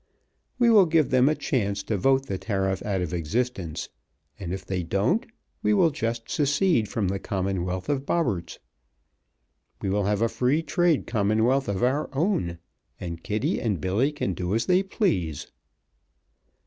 We will give them a chance to vote the tariff out of existence, and if they don't we will just secede from the Commonwealth of Bobberts. We will have a free trade commonwealth of our own, and Kitty and Billy can do as they please."